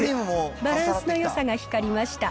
バランスのよさが光りました。